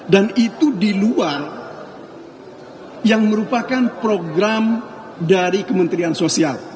dan itu di luar yang merupakan program dari kementerian sosial